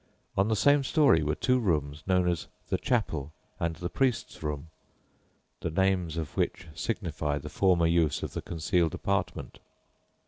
On the same storey were two rooms known as "the chapel" and the "priest's room," the names of which signify the former use of the concealed apartment.